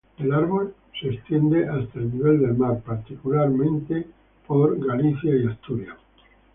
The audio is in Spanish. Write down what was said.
El árbol se extiende hasta el nivel del mar, particularmente en Oregón y Washington.